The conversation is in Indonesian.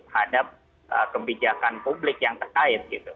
terhadap kebijakan publik yang terkait gitu